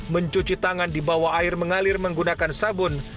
mencuci tangan di bawah air mengalir menggunakan sabun